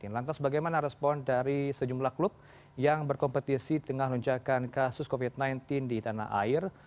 lantas bagaimana respon dari sejumlah klub yang berkompetisi tengah lonjakan kasus covid sembilan belas di tanah air